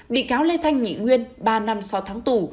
bị cáo lê thanh nhị nguyên ba năm sáu tháng tù